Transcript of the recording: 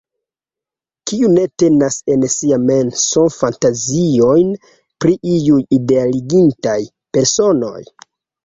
Kiu ne tenas en sia menso fantaziojn pri iuj idealigitaj personoj?